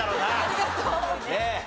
ありがとう。ねえ。